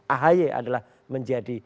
ahi adalah menjadi